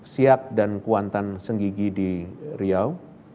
siak dan kuantan senggigi di riau